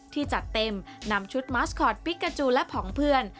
จัดเต็มนำชุดมาสคอตฟิกกาจูและผองเพื่อน